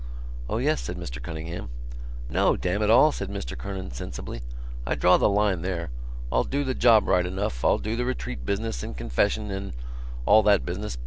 "O yes," said Mr Cunningham. "No, damn it all," said Mr Kernan sensibly, "I draw the line there. I'll do the job right enough. I'll do the retreat business and confession, and ... all that business.